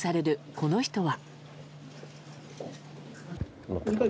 この人は。